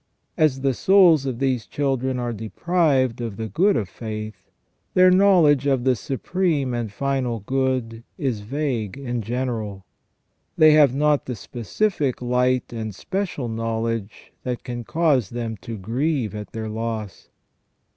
As the souls of these children are deprived of the good of faith, their knowledge of the supreme and final good is vague and general. They have not the specific light and special know ledge that can cause them to grieve at their loss.